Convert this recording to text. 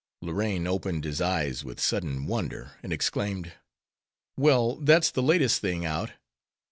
Lorraine opened his eyes with sudden wonder, and exclaimed: "Well, that's the latest thing out!